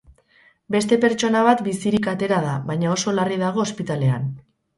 Beste pertsona bat bizirik atera da, baina oso larri dago ospitalean.